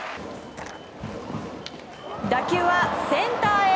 打球はセンターへ。